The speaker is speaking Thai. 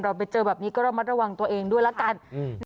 ไปเจอแบบนี้ก็ระมัดระวังตัวเองด้วยละกัน